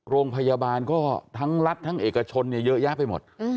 โรงพยาบาลก็ทั้งรัฐทั้งเอกชนเยอะแยะไปหมด